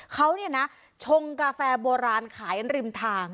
เขาเนี่ยนะชงกาแฟโบราณขายริมทาง